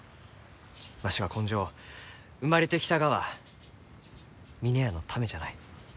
わしは今生生まれてきたがは峰屋のためじゃない。